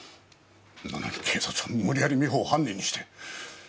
なのに警察は無理やり美穂を犯人にして。